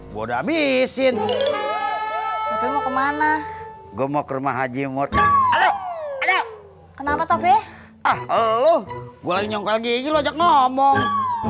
bodo abisin tapi mau kemana gua mau ke rumah haji murtadz kenapa tope ah elo gua nyongkel gigi ngomong